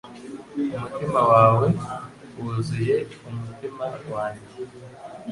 Umutima wawe wuzuye umutima wanjye